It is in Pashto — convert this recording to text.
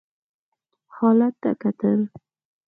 حالت ته کتل.